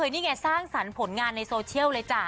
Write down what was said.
นี่ไงสร้างสรรค์ผลงานในโซเชียลเลยจ้ะ